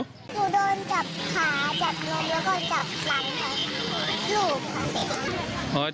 ลูกโดนจับขาจับมือแล้วก็จับรังลูก